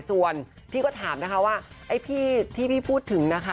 ส่วนพี่ก็ถามนะคะว่าไอ้พี่ที่พี่พูดถึงนะคะ